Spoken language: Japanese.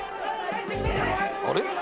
・あれ？